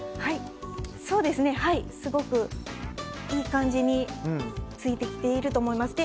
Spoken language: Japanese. すごくいい感じに付いてきていると思います。